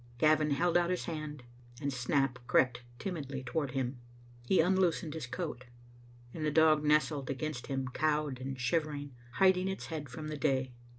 Gavin held out his hand, and Snap crept timidly toward him. He unloosened his coat, and the dog nestled against him, cowed and shivering, hiding its head from the day.